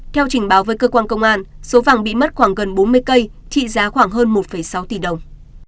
theo trình báo với cơ quan công an số vàng bị mất khoảng gần bốn mươi cây trị giá khoảng hơn một sáu tỷ đồng